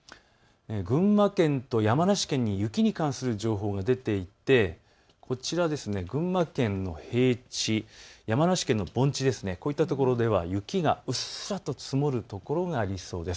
群馬県と山梨県に雪に関する情報が出ていて群馬県の平地、山梨県の盆地、こういったところでは雪がうっすらと積もる所がありそうです。